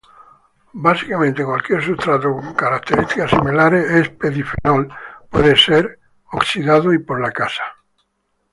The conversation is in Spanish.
Básicamente cualquier substrato con características similares al p-difenol puede ser oxidado por la lacasa.